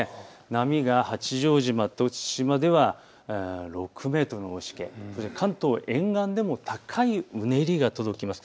波が八丈島と父島では６メートルの大しけ、関東沿岸でも高いうねりが届きます。